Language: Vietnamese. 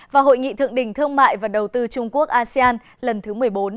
và hội nghị thượng đỉnh thương mại và đầu tư trung quốc asean lần thứ một mươi bốn